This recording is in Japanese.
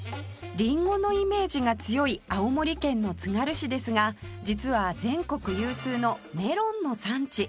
リンゴのイメージが強い青森県のつがる市ですが実は全国有数のメロンの産地